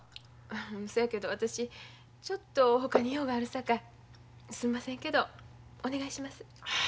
そやけど私ちょっとほかに用があるさかいすんませんけどお願いします。